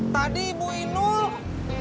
tadi ibu inul